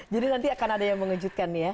jadi nanti akan ada yang mengejutkan nih ya